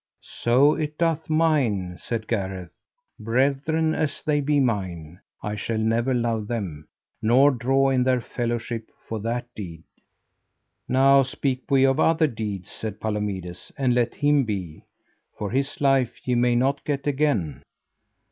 So it doth mine, said Gareth; brethren as they be mine I shall never love them, nor draw in their fellowship for that deed. Now speak we of other deeds, said Palomides, and let him be, for his life ye may not get again.